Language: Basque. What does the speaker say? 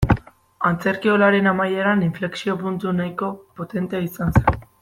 Antzerkiolaren amaiera inflexio-puntu nahiko potentea izan zen.